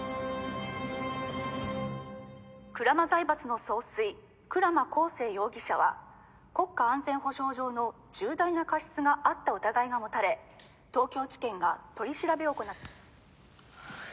「鞍馬財閥の総帥鞍馬光聖容疑者は国家安全保障上の重大な過失があった疑いが持たれ東京地検が取り調べを行って」